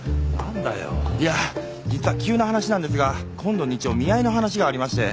実は急な話なんですが今度の日曜見合いの話がありまして。